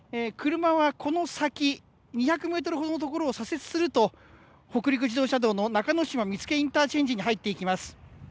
車はこの先、２００メートルほどの所を左折すると、北陸自動車道の中之島見附インターチェンジに入っていきます。